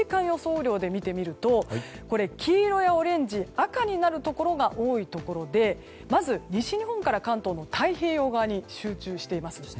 雨量で見てみると黄色やオレンジ赤になるところが多いところでまず、西日本から関東の太平洋側に集中しています。